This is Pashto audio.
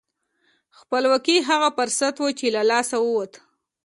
خپلواکي هغه فرصت و چې له لاسه ووت.